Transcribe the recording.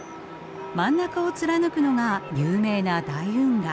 真ん中を貫くのが有名な大運河。